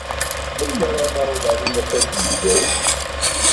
Melmi ara naweḍ ɣer unafag n Bgayet?